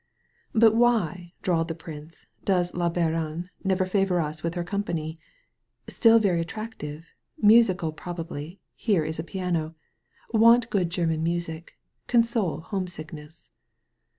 "But why," drawled the prince, "does la Baronne never favor us with her company? Still very at tractive — ^musical probably — here is a piano — want good German music— console homesickness."